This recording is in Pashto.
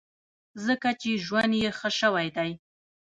ځکه چې ژوند یې ښه شوی دی.